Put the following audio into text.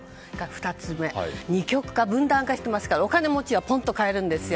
２つ目は二極化、分断化していますからお金持ちはポンと買えるんですよ。